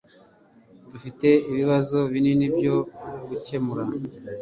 Dufite ibibazo binini byo gukemura.